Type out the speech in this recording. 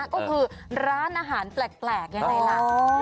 ก็คือร้านอาหารแปลกยังไงล่ะ